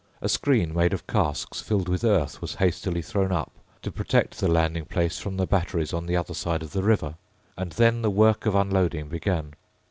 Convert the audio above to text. A screen made of casks filled with earth was hastily thrown up to protect the landing place from the batteries on the other side of the river; and then the work of unloading began.